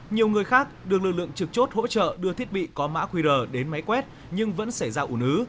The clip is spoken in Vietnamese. nhiều người khác được lực lượng trực chốt hỗ trợ đưa thiết bị có mã qr đến máy quét nhưng vẫn xảy ra ủ nứ